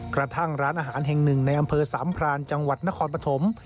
กระทั่งร้านอาหารแห่งหนึ่งในอำเภอสามพรานจังหวัดนครปฐม